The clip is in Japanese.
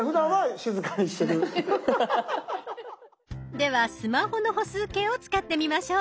ではスマホの歩数計を使ってみましょう。